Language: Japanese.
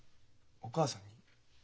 お母さんに？